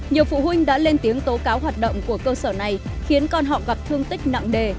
nhiều phụ huynh đã lên tiếng tố cáo hoạt động của cơ sở này khiến con họ gặp thương tích nặng đề